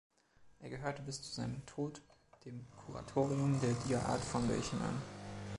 Er gehörte bis zu seinem Tod dem Kuratorium der Dia Art Foundation an.